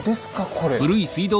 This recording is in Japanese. これ。